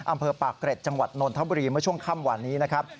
อำเภอปากเกร็ดจังหวัดนนทบุรีเมื่อช่วงค่ำวันนี้นะครับ